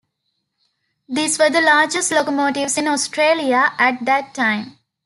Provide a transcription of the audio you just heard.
These were the largest locomotives in Australia at that time.